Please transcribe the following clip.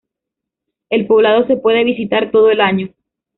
El poblado se puede visitar todo el año.